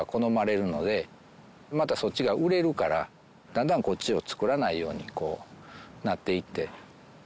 またそっちが売れるからだんだんこっちを作らないようにこうなっていって。